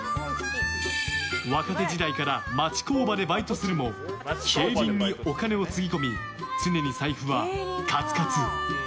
若手時代から町工場でバイトするも競輪にお金をつぎ込み常に財布はカツカツ。